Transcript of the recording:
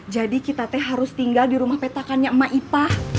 jadi kita teh harus tinggal di rumah petakannya mak ipa